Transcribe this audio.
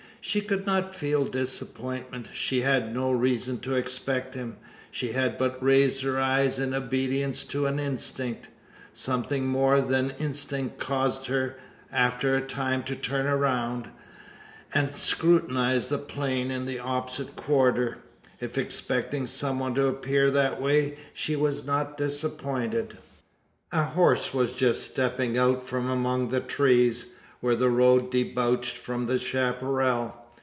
She could not feel disappointment. She had no reason to expect him. She had but raised her eyes in obedience to an instinct. Something more than instinct caused her, after a time, to turn round, and scrutinise the plain in the opposite quarter. If expecting some one to appear that way, she was not disappointed. A horse was just stepping out from among the trees, where the road debouched from the chapparal.